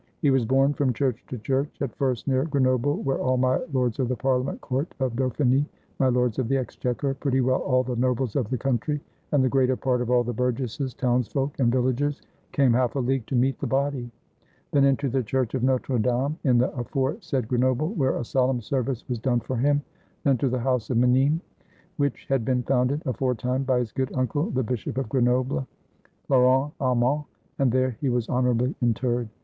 He was 225 FRANCE borne from church to church, at first near Grenoble, where all my lords of the parhament court of Dauphiny, my lords of the exchequer, pretty well all the nobles of the country and the greater part of all the burgesses, townsfolk, and villagers came half a league to meet the body: then into the Church of Notre Dame, in the afore said Grenoble, where a solemn service was done for him ; then to a house of Minimes, which had been founded aforetime by his good uncle the Bishop of Grenoble, Laurens Alment; and there he was honorably interred.